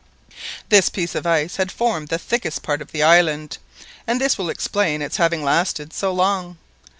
This piece of ice had formed the thickest part of the island, and this will explain its having lasted so long.